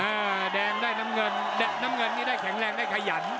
แดงได้น้ำเงินน้ำเงินนี่ได้แข็งแรงได้ขยัน